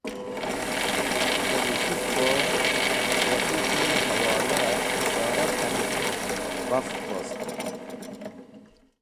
Dẽ Wuk̃hikwor/ Wakhi ki hẽwolar ishora k̃hanẽn bafẽb wost